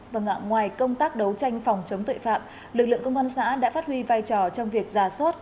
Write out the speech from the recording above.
và ngoài công tác đấu tranh phòng chống tội phạm lực lượng công an xã đã phát huy vai trò trong việc giả soát